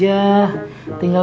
udah bang ustad tenang aja